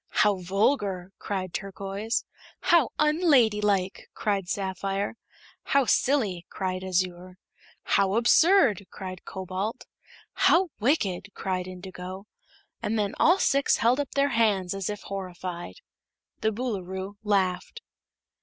"How vulgar!" cried Turquoise. "How unladylike!" cried Sapphire. "How silly!" cried Azure. "How absurd!" cried Cobalt. "How wicked!" cried Indigo. And then all six held up their hands as if horrified. The Boolooroo laughed.